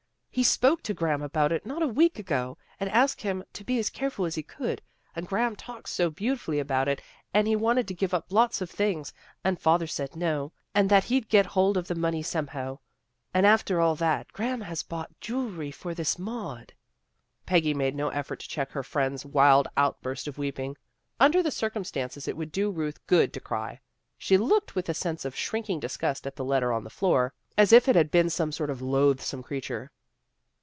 He spoke 156 THE GIRLS OF FRIENDLY TERRACE to Graham about it not a week ago, and asked him to be as careful as he could, and Graham talked so beautifully about it, and he wanted to give up lots of things, and father said no, and that he'd get hold of the money somehow. And after all that, Graham has bought jewelry for this Maud." Peggy made no effort to check her friend's wild outburst of weeping. Under the circum stances it would do Ruth good to cry. She looked with a sense of shrinking disgust at the letter on the floor, as if it had been some sort of loathsome creature.